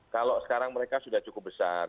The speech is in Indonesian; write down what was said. kalau sekarang mereka sudah cukup besar